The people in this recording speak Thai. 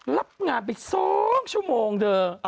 รับงานไปสองช้วงเถอะ